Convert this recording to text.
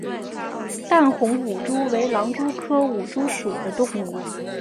淡红舞蛛为狼蛛科舞蛛属的动物。